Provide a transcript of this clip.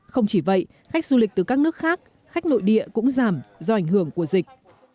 không chỉ vậy khách du lịch từ các nước khác khách nội địa cũng giảm do ảnh hưởng của dịch